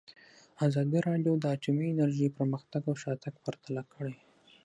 ازادي راډیو د اټومي انرژي پرمختګ او شاتګ پرتله کړی.